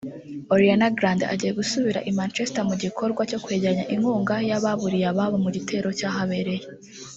Ariana Grande agiye gusubira i Manchester mugikorwa cyo kwegeranya inkunga yababuriye ababo mu gitero cyahabereye